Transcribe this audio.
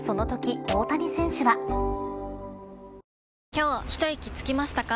今日ひといきつきましたか？